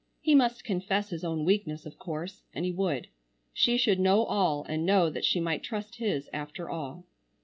He must confess his own weakness of course, and he would. She should know all and know that she might trust his after all.